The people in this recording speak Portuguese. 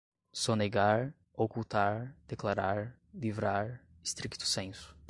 sonegar, ocultar, declarar, livrar, stricto sensu